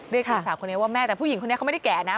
หญิงสาวคนนี้ว่าแม่แต่ผู้หญิงคนนี้เขาไม่ได้แก่นะ